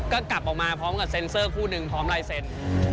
ก็กลับออกมาพร้อมกับเซ็นเซอร์คู่นึงพร้อมลายเซ็น